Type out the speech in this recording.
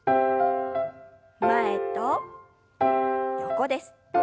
前と横です。